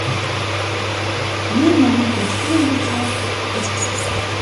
Ийм мөөгийг иддэг юм гэж үү гэж асуусан.